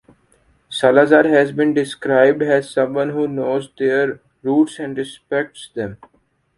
Salazar has been described as someone who knows their roots and respects them.